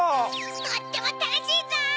とってもたのしいゾウ！